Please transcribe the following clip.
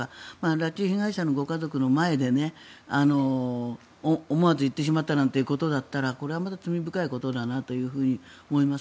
拉致被害者のご家族の前で思わず言ってしまったなんてことだったらこれはまた罪深いことだなと思います。